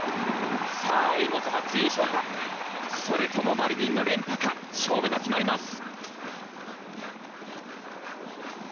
さあエイモズ初優勝かそれともマリニンの連覇か勝負が決まります！